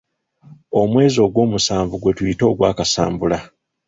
Omwezi ogw'omusanvu gwetuyita ogwa kasambula.